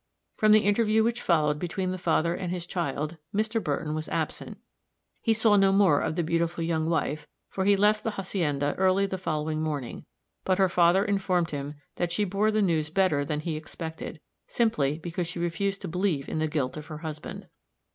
From the interview which followed between the father and his child, Mr. Burton was absent; he saw no more of the beautiful young wife, for he left the hacienda early the following morning; but her father informed him that she bore the news better than he expected simply because she refused to believe in the guilt of her husband!